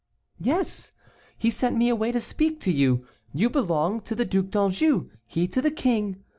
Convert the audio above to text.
"Yes, he sent me away to speak to you; you belong to the Duc d'Anjou, he to the king.